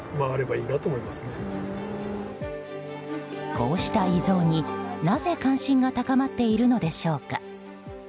こうした遺贈に、なぜ関心が高まっているのでしょうか。